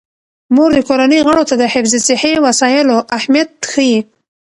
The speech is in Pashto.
مور د کورنۍ غړو ته د حفظ الصحې وسایلو اهمیت ښيي.